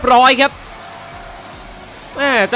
สนามโรงเรียนสมุทรสาคอนวุฒิชัย